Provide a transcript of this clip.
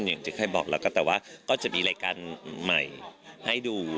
อย่างที่ใครบอกแล้วก็จะมีรายการใหม่ให้ดู